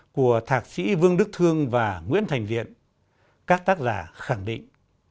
của thạc sĩ vương đức thương và nguyễn thành viện các tác giả khẳng định